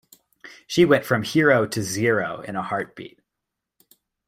She went from hero to zero in a heartbeat.